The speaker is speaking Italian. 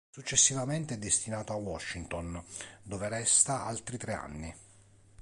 Successivamente è destinato a Washington, dove resta altri tre anni.